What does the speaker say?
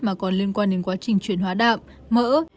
mà còn liên quan đến quá trình chuyển hóa đạm mỡ